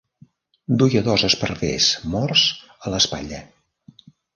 Duia dos esparvers morts a l'espatlla.